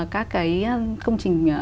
các cái công trình